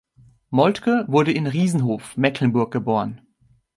Moltke wurde in Riesenhof, Mecklenburg geboren.